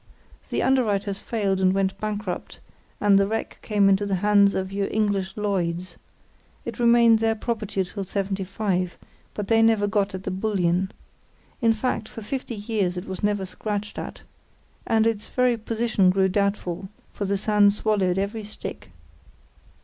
The underwriters failed and went bankrupt, and the wreck came into the hands of your English Lloyd's. It remained their property till '75, but they never got at the bullion. In fact, for fifty years it was never scratched at, and its very position grew doubtful, for the sand swallowed every stick.